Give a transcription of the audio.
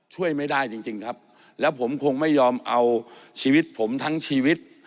ช่วยไม่ได้จริงจริงครับแล้วผมคงไม่ยอมเอาชีวิตผมทั้งชีวิต